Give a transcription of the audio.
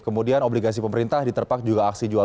kemudian obligasi pemerintah diterpak juga aksi jual